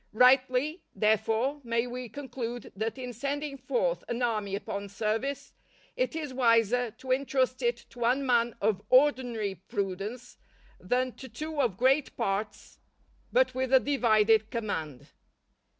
Rightly, therefore, may we conclude that in sending forth an army upon service, it is wiser to entrust it to one man of ordinary prudence, than to two of great parts but with a divided command.